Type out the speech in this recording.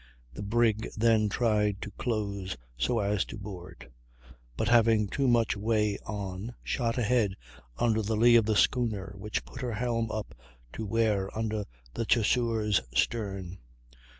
The brig then tried to close, so as to board; but having too much way on, shot ahead under the lee of the schooner, which put her helm up to wear under the Chasseur's stern.